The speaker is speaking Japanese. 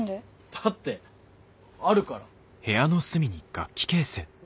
だってあるから。